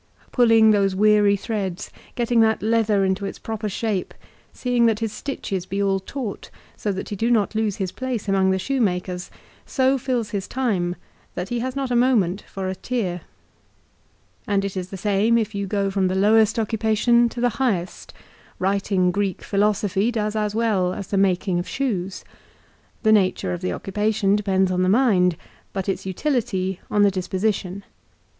Pulling those weary threads, getting that leather into its proper shape, seeing that his stitches be all taut so that he do not lose his place among the shoemakers, so fills his time that he has not a moment for a tear. And it is the same if you go from the lowest occupation to the highest. Writing Greek philosophy does as well as the making of shoes. The nature of the occupation depends on the mind, but its utility on the dis position.